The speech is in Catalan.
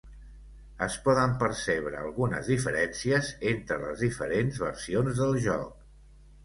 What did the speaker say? Es poden percebre algunes diferències entre les diferents versions del joc.